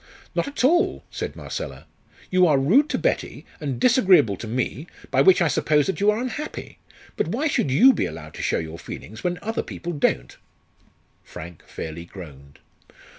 "Not at all!" said Marcella; "you are rude to Betty, and disagreeable to me, by which I suppose that you are unhappy. But why should you be allowed to show your feelings, when other people don't?" Frank fairly groaned.